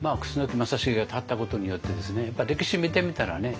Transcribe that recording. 楠木正成が立ったことによってですねやっぱ歴史見てみたらね